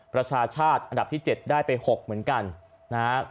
ประชาชาติอันดับที่๗ได้ไป๖เหมือนกันนะฮะ